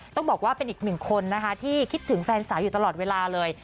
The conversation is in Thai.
ต้องบอกว่าเป็นอีกหนึ่งคนนะคะที่คิดถึงแฟนสาวอยู่ตลอดเวลาเลย